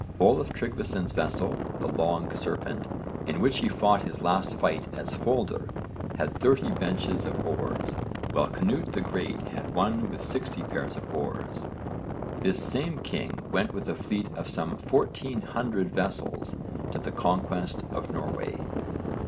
Olaf Tryggvason's vessel, the Long Serpent, in which he fought his last fight at Svoldr, had thirty benches of oars, while Cnut the Great had one with sixty pairs of oars. This same king went with a fleet of some fourteen hundred vessels to the conquest of Norway.